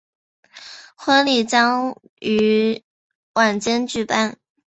婚礼将于晚间举办。